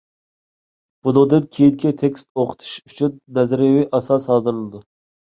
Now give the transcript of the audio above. بۇنىڭدىن كېيىنكى تېكىست ئوقۇتۇشى ئۈچۈن نەزەرىيىۋى ئاساس ھازىرلىنىدۇ.